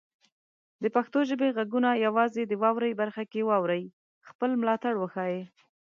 د پښتو ژبې غږونه یوازې د "واورئ" برخه کې واورئ، خپل ملاتړ وښایئ.